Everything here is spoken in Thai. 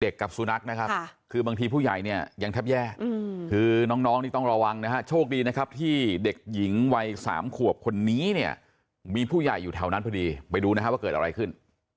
กับสุนัขนะครับคือบางทีผู้ใหญ่เนี่ยยังแทบแย่คือน้องนี่ต้องระวังนะฮะโชคดีนะครับที่เด็กหญิงวัย๓ขวบคนนี้เนี่ยมีผู้ใหญ่อยู่แถวนั้นพอดีไปดูนะฮะว่าเกิดอะไรขึ้น